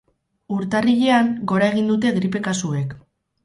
Urtarrilean gora egin dute gripe kasuek.